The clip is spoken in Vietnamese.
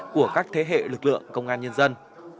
của các thế hệ lực lượng công an nhân dân